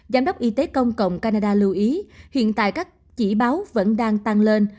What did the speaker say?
giám đốc y tế công cộng canada lưu ý hiện tại các chỉ báo vẫn đang tăng lên